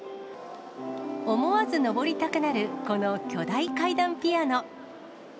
思わず上りたくなる、この巨大階段ピアノ。